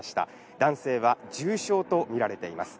男性は重傷とみられています。